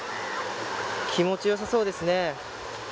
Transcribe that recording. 気持ち良さそうですね。